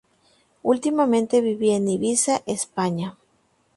Últimamente vivía en Ibiza, España.